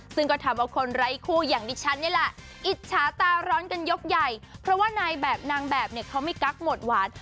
เพราะว่านายแบบนางแบบเขาไม่กักหมดหวาน